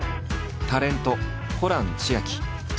タレントホラン千秋。